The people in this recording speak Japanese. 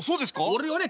「俺はね